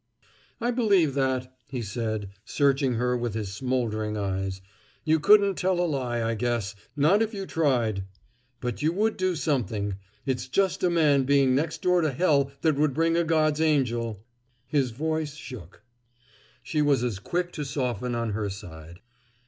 "I believe that," he said, searching her with his smoldering eyes. "You couldn't tell a lie, I guess, not if you tried! But you would do something; it's just a man being next door to hell that would bring a God's angel " His voice shook. She was as quick to soften on her side.